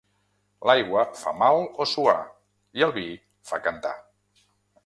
L'aigua fa mal o suar i el vi fa cantar.